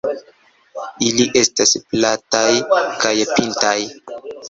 Ili estas plataj kaj pintaj.